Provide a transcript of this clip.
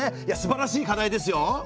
いやすばらしい課題ですよ。